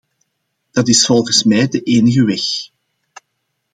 Dat is volgens mij de enige weg.